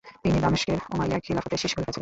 তিনি দামেস্কের উমাইয়া খিলাফতের শেষ খলিফা ছিলেন।